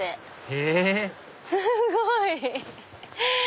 へぇすごい！